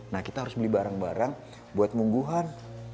nah kita harus beli barang barang buat mungguhan